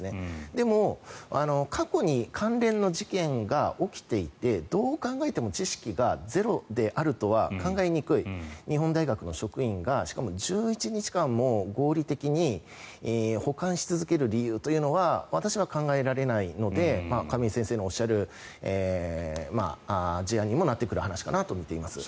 でも、過去に関連の事件が起きていてどう考えても知識がゼロであるとは考えにくい日本大学の職員がしかも１１日間も合理的に保管し続ける理由というのは私は考えられないので亀井先生のおっしゃる事案にもなってくる話かなとみています。